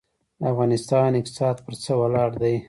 د افغانستان اقتصاد پر څه ولاړ دی؟